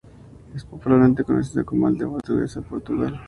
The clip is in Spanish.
Es popularmente conocida como ""aldea más portuguesa de Portugal"".